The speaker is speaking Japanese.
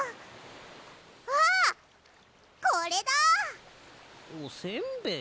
あっこれだ！おせんべい？